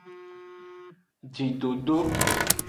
Jidodo.